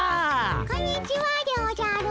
こんにちはでおじゃる。